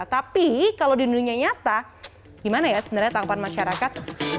tapi kalau di dunia nyata gimana ya sebenarnya tangkapan masyarakat